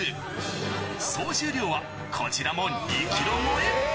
総重量はこちらも２キロ超え。